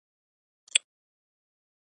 دوی برښنايي موټرې ډېرې خوښوي.